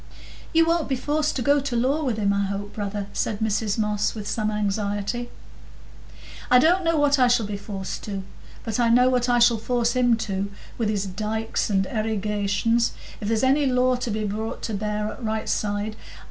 "You won't be forced to go to law with him, I hope, brother?" said Mrs Moss, with some anxiety. "I don't know what I shall be forced to; but I know what I shall force him to, with his dikes and erigations, if there's any law to be brought to bear o' the right side.